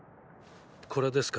これですか？